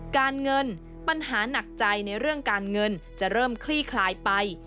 การเงินปัญหาหนักใจในเรื่องการเงินจะเริ่มคลี่คลายไป